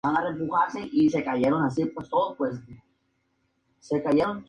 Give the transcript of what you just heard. El representante de la reina en cada provincia es el vicegobernador o virrey provincial.